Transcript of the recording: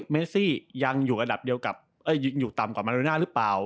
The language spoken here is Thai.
เมซี่ยังอยู่ระดับเดียวกับอยู่ต่ำกว่ามาริน่าหรือเปล่า